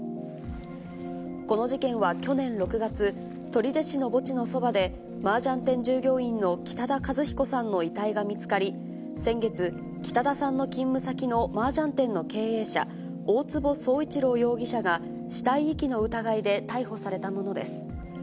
この事件は去年６月、取手市の墓地のそばで、マージャン店従業員の北田和彦さんの遺体が見つかり、先月、北田さんの勤務先のマージャン店の経営者、大坪宗一郎容疑者が、死体遺棄の疑いで逮捕されたものです。